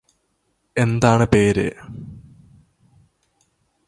എന്താണ് പേര്?